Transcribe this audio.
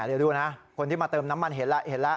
เดี๋ยวดูนะคนที่มาเติมน้ำมันเห็นแล้วเห็นแล้ว